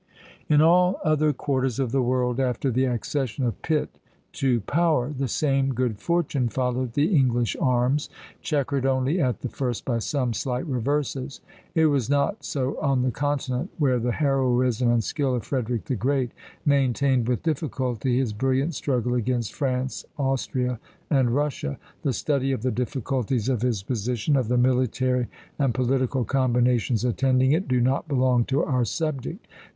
In all other quarters of the world, after the accession of Pitt to power, the same good fortune followed the English arms, checkered only at the first by some slight reverses. It was not so on the continent, where the heroism and skill of Frederick the Great maintained with difficulty his brilliant struggle against France, Austria, and Russia. The study of the difficulties of his position, of the military and political combinations attending it, do not belong to our subject.